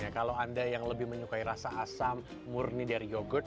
kalau anda yang lebih menyukai rasa asam murni dari yogurt